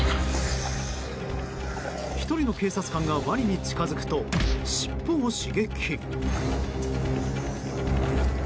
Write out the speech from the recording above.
１人の警察官がワニに近づくと尻尾を刺激。